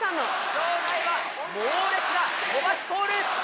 場内は猛烈な小橋コール！